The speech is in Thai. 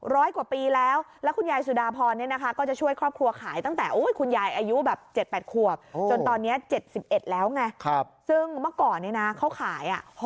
ร้อยกว่าปีแล้วแล้วคุณยายสุดาพรเนี่ยนะคะ